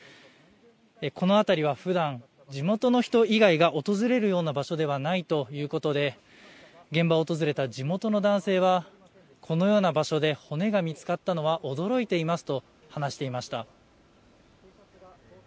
この辺りはふだん地元の人以外が訪れるような場所ではないということで現場を訪れた地元の男性はこのような場所で骨が見つかったのは驚いていますと話していました。